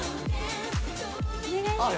お願いします。